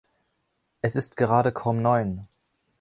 Es ist gerade kaum neun.